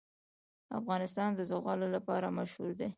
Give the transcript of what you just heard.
افغانستان د زغال لپاره مشهور دی.